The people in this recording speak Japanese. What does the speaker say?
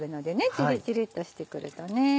チリチリとしてくると。